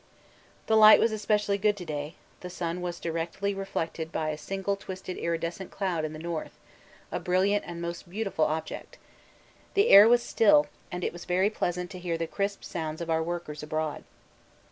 The light was especially good to day; the sun was directly reflected by a single twisted iridescent cloud in the north, a brilliant and most beautiful object. The air was still, and it was very pleasant to hear the crisp sounds of our workers abroad.